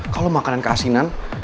kalo makanan keasinan